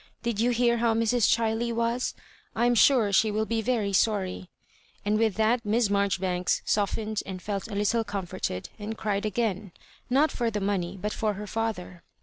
" Did you hear how Mrs.»ChUey was ? I am sure she will be very sorry ;" and with that Miss Maijoribanks soft ened and felt a little comforted, and cried agaui — not for the money, but for her father.